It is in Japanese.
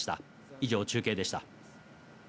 以上、中継でした。